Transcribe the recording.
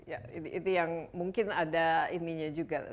ya itu yang mungkin ada ininya juga